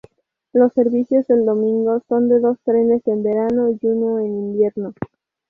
Los servicios del domingo son de dos trenes en verano y uno en invierno.